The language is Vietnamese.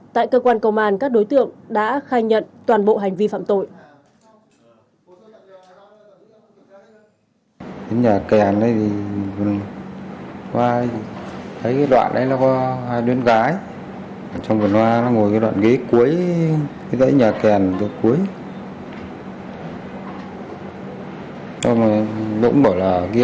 tại cơ quan công an các đối tượng đã khai nhận toàn bộ hành vi phạm tội